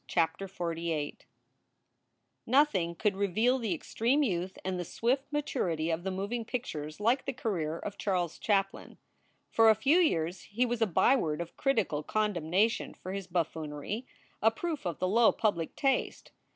CHAPTER XLVIII NOTHING could reveal the extreme youth and the swift maturity of the moving pictures like the career of Charles Chaplin. For a few years he was a byword of critical condemnation for his buffoonery, a proof of the low public taste.